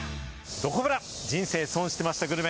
どこブラ、人生損してましたグルメ。